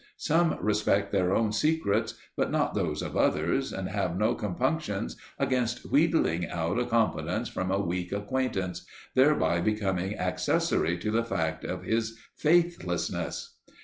Some respect their own secrets but not those of others and have no compunctions against wheedling out a confidence from a weak acquaintance, thereby becoming accessory to the fact of his faithlessness.